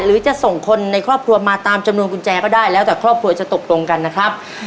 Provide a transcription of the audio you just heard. หรือจะส่งคนในครอบครัวมาตามจำนวนกุญแจก็ได้แล้วแต่ครอบครัวจะตกลงกันนะครับ